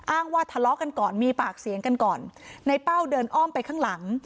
ว่าทะเลาะกันก่อนมีปากเสียงกันก่อนในเป้าเดินอ้อมไปข้างหลัง